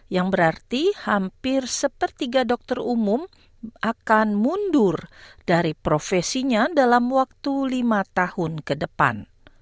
yang berarti hampir sepertiga dokter umum akan mundur dari profesinya dalam waktu lima tahun ke depan